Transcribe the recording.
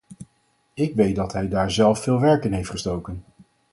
Ik weet dat hij daar zelf veel werk in heeft gestoken.